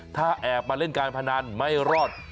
ถ้าแอบมาเล่นการพนันไม่รอด